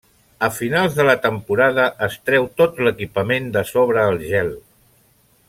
A finals de la temporada es treu tot l'equipament de sobre el gel.